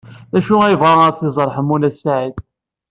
D acu ay yebɣa ad t-iẓer Ḥemmu n At Sɛid?